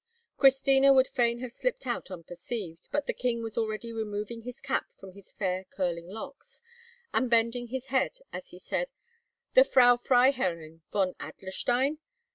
Christina would fain have slipped out unperceived, but the king was already removing his cap from his fair curling locks, and bending his head as he said, "The Frau Freiherrinn von Adlerstein?